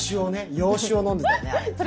洋酒を飲んでたよねあれ。